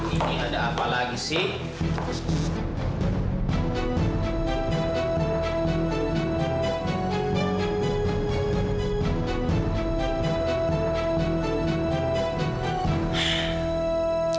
ini ada apa lagi sih